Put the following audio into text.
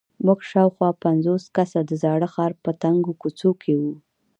موږ شاوخوا پنځوس کسه د زاړه ښار په تنګو کوڅو کې وو.